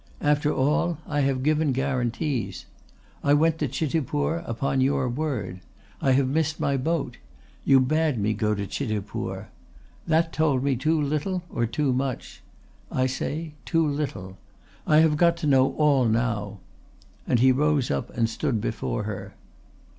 After all I have given guarantees. I went to Chitipur upon your word. I have missed my boat. You bade me go to Chitipur. That told me too little or too much. I say too little. I have got to know all now." And he rose up and stood before her.